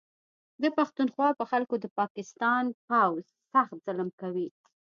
د پښتونخوا په خلکو د پاکستان پوځ سخت ظلم کوي